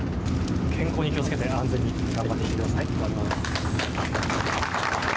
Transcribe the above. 健康に気を付けて安全に頑張ってきてください。